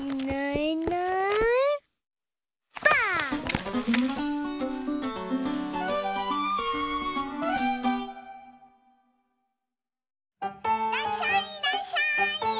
いらっしゃいいらっしゃい！